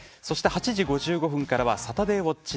８時５５分からは「サタデーウォッチ９」。